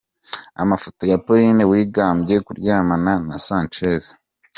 Amafoto ya Pauline wigambye kuryamana na Sanchez.